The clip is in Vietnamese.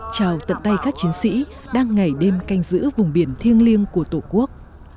chào tận tay các chiến sĩ đang ngày đêm canh giữ vùng biển thiêng liêng của tổ quốc